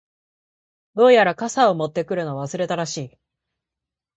•どうやら、傘を持ってくるのを忘れたらしい。